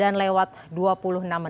ini adalah video trinita untuk vid monetary